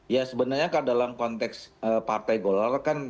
ya sebenarnya dalam konteks partai golongan